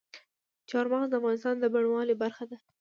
چار مغز د افغانستان د بڼوالۍ برخه ده.